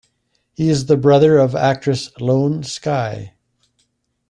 He is the brother of actress Ione Skye.